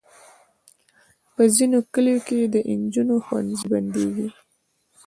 په ځینو کلیو کې د انجونو ښوونځي بندېږي.